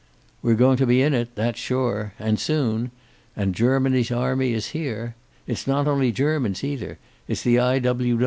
"We're going to be in it, that's sure. And soon. And Germany's army is here. It's not only Germans either. It's the I.